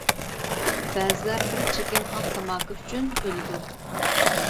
بەزىلەر بىر چېكىم ئاق تاماكا ئۈچۈن ئۆلىدۇ.